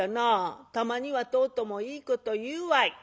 たまにはとうともいいこと言うわい。